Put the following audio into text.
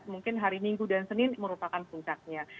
mungkin hari minggu dan senin merupakan puncaknya